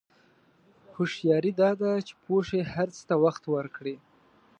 هوښیاري دا ده چې پوه شې هر څه ته وخت ورکړې.